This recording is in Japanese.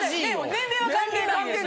年齢関係ないです。